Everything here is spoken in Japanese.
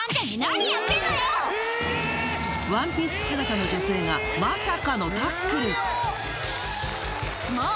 ワンピース姿の女性がまさかのタックル。